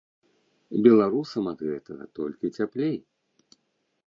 Беларусам ад гэтага толькі цяплей.